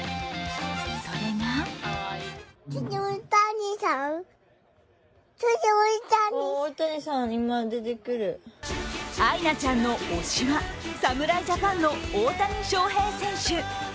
それがあいなちゃんの推しは、侍ジャパンの大谷翔平選手。